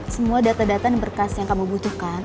semua data data dan berkas yang kamu butuhkan